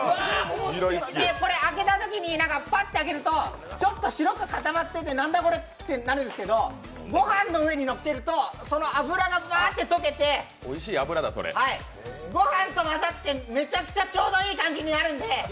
これ、開けたときにパッと開けるとちょっと白くかたまってて何だこれってなるんですけどご飯の上にのっけると、その脂がバーッと溶けて、ご飯と混ざってめちゃくちゃちょうどいい感じになるので。